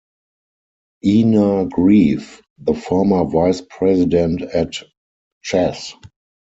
Einar Greve, the former vice president at Chas.